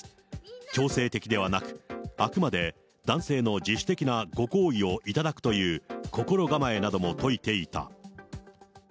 強制的ではなく、あくまで男性の自主的なご厚意を頂くという心構えなども説いていた。